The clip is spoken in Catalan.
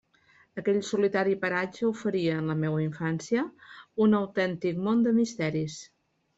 Aquell solitari paratge oferia, en la meua infància, un autèntic món de misteris.